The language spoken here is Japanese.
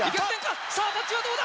さあタッチはどうだ？